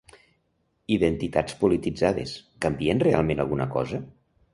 Identitats polititzades: canvien realment alguna cosa?